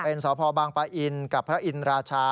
เป็นสพบางปะอินกับพระอินราชา